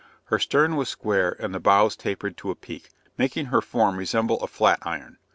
Her stern was square and the bows tapered to a peak, making her form resemble a flat iron.